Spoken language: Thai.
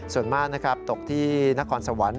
ส่วนมากนะครับตกที่นครสวรรค์